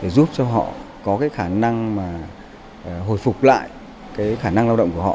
để giúp cho họ có khả năng hồi phục lại khả năng lao động của họ